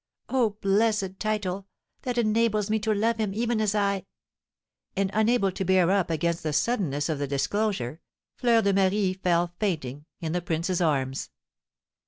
Oh, blessed title, that enables me to love him even as I " And unable to bear up against the suddenness of the disclosure, Fleur de Marie fell fainting in the prince's arms.